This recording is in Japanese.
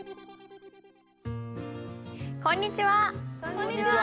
こんにちは。